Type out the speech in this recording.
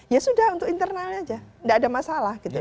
ya sudah untuk internalnya aja tidak ada masalah